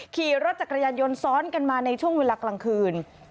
ขี่รถจักรยานยนต์ซ้อนกันมาในช่วงเวลากลางคืน